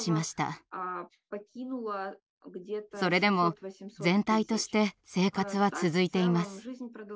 それでも全体として生活は続いています。